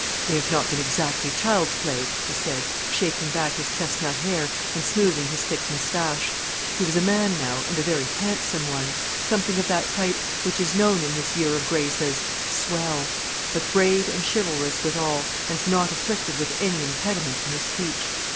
"They have not been exactly child's play," he said, shaking back his chesnut hair and smoothing his thick moustache. He was a man now, and a very handsome one; something of that type which is known in this year of grace as "swell"; but brave and chivalrous withal, and not afflicted with any impediment in his speech.